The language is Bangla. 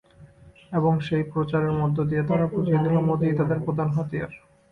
এবং সেই প্রচারের মধ্য দিয়ে তারা বুঝিয়ে দিল, মোদিই তাদের প্রধান হাতিয়ার।